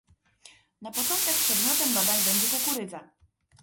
Na początek przedmiotem badań będzie kukurydza